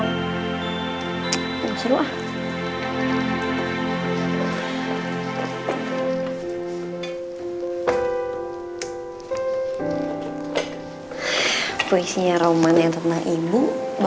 tapi kalau rumus kimia fisika kenapa gue cepet banget gak hafal ya